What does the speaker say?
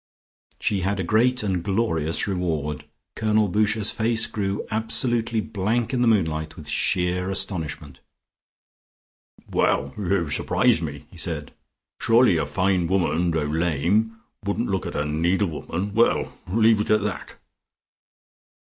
She had a great and glorious reward. Colonel Boucher's face grew absolutely blank in the moonlight with sheer astonishment. "Well, you surprise me," he said. "Surely a fine woman, though lame, wouldn't look at a needle woman well, leave it at that."